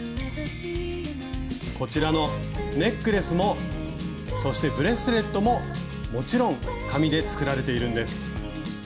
こちらのネックレスもそしてブレスレットももちろん紙で作られているんです。